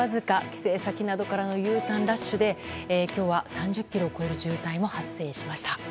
帰省先などからのＵターンラッシュで今日は３０ｋｍを超える渋滞も発生しました。